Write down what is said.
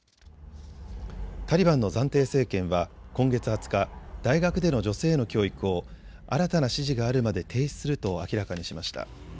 タリバンの暫定政権は今月２０日、大学での女性への教育を新たな指示があるまで停止すると明らかにしました。